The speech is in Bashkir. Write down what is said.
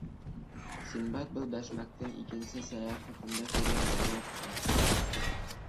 Синдбад был бәшмәктең икенсе сәйәхәтендә күргән Рухх